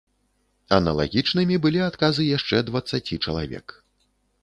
Аналагічнымі былі адказы яшчэ дваццаці чалавек.